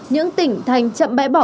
những tỉnh thành chậm bãi bỏ